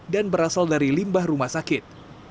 dan berasal dari limbah rumah sakit